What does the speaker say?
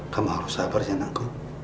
kamu harus sabar ya nangko